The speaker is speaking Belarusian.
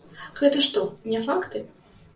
Гэта што, не факты?